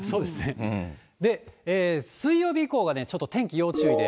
で、水曜日以降がね、ちょっと天気要注意で。